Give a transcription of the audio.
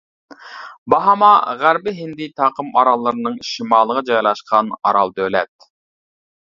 باھاما غەربىي ھىندى تاقىم ئاراللىرىنىڭ شىمالىغا جايلاشقان ئارال دۆلەت.